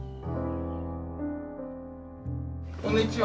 こんにちは。